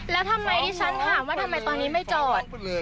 แล้วทำไมที่ฉันถามว่าทำไมตอนนี้ไม่จอด